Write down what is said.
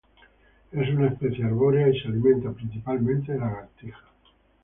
Es una especie arbórea y se alimenta principalmente de lagartijas